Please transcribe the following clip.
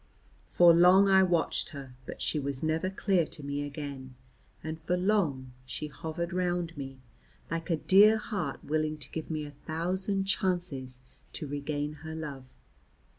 For long I watched her, but she was never clear to me again, and for long she hovered round me, like a dear heart willing to give me a thousand chances to regain her love.